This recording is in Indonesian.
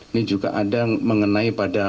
ini juga ada mengenai pada